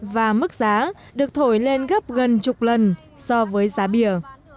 và mức giá được thổi lên gấp gần chục lần so với giá bìa